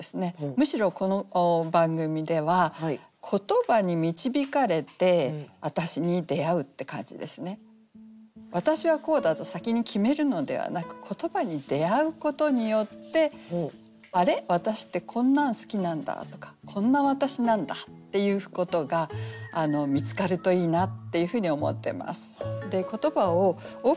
むしろこの番組では「私はこうだぞ」先に決めるのではなく言葉に出会うことによって「あれ？私ってこんなん好きなんだ」とか「こんな私なんだ」っていうことが見つかるといいなっていうふうに思ってます。